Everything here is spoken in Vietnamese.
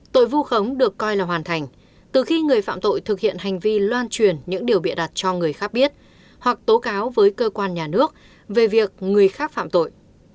tội vu khống được coi là hoàn thành từ khi người phạm tội thực hiện hành vi loan truyền những điều bịa đặt cho người khác biết hoặc tố cáo với cơ quan nhà nước về việc người khác phạm tội